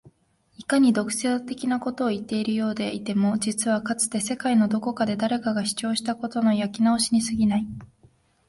いかに独創的なことを言っているようでいても実はかつて世界のどこかで誰かが主張したことの焼き直しに過ぎない